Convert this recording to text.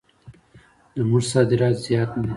زموږ صادرات زیات نه دي.